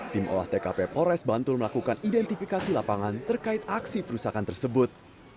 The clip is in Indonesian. tim olah tkp polres bantul melakukan identifikasi lapangan terkait aksi perusahaan tersebut